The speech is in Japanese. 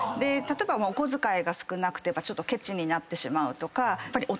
例えばお小遣いが少なくてちょっとケチになってしまうとか。